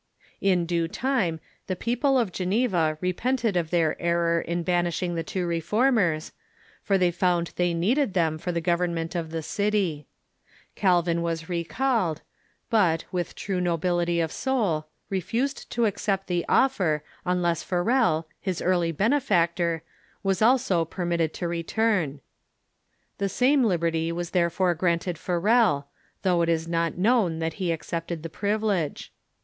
In due time the people of Geneva repented of their error in banishing the two Reformers, for they found they needed them for the government of the city, Calvin was ^"to"Gene'va^" i ocalled, but, with true nobility of soul, refused to accept the offer unless Farel, his early benefactor, was also permitted to return. The same liberty was there fore granted Farel, though it is not known that he accepted the privilege.